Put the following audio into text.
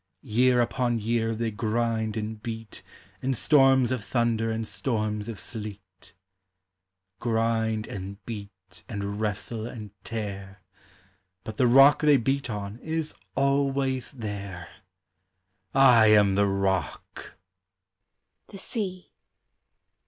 Year upon year they grind and beat In storms of thunder and storms of sleet — Grind and beat and wrestle and tear, But the rock they beat on is always there! I am the Rock! The Sea.